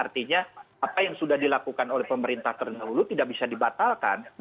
artinya apa yang sudah dilakukan oleh pemerintah terdahulu tidak bisa dibatalkan